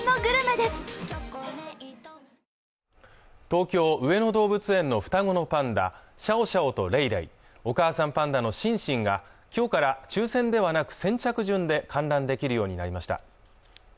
東京上野動物園の双子のパンダシャオシャオとレイレイお母さんパンダのシンシンがきょうから抽選ではなく先着順で観覧できるようになりました